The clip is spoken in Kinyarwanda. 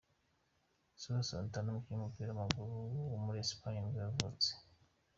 Suso Santana, umukinnyi w’umupira w’amaguru wo muri Espagne nibwo yavutse.